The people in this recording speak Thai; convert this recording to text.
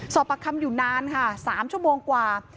ประคำอยู่นานค่ะ๓ชั่วโมงกว่า